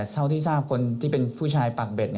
ซาวที่ที่รู้สึกคนที่เป็นผู้ชายปากเบ็ด